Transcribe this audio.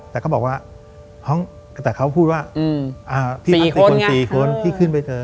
แต่เขาบอกว่าห้องถ้าเขาพูดว่า๔คน๔คนที่ขึ้นไปเจอ